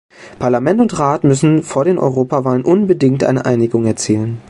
Parlament und Rat müssen vor den Europawahlen unbedingt eine Einigung erzielen.